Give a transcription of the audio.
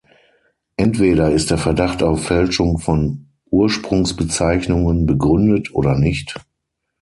Entweder ist der Verdacht auf Fälschung von Ursprungsbezeichnungen begründet oder nicht.